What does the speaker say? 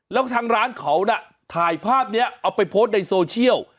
แล้วทางร้านเขาน่ะถ่ายภาพนี้เอาไปโพสต์ในโซเชียล